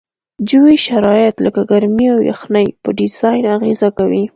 جوي شرایط لکه ګرمي او یخنۍ په ډیزاین اغیزه کوي